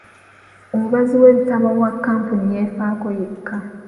Omubazi w'ebitabo owa kkampuni yeefaako yekka.